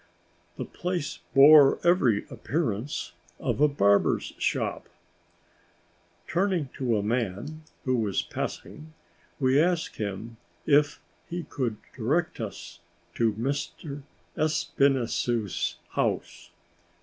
The place bore every appearance of a barber's shop. Turning to a man, who was passing, we asked him if he could direct us to M. Espinassous' house.